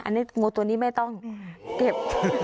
อันนี้งูตัวนี้ไม่ต้องเก็บ